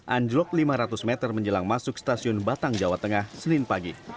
anjlok lima ratus meter menjelang masuk stasiun batang jawa tengah senin pagi